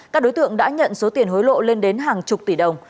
các đối tượng đã nhận số tiền hối lộ lên đến hàng chục tỷ đồng